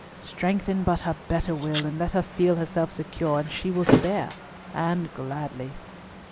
Strengthen but her better will, and let her feel herself secure, and she will spare, and gladly."